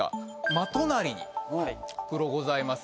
真隣にホクロございます。